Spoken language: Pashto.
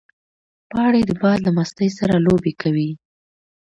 پاڼې د باد له مستۍ سره لوبې کوي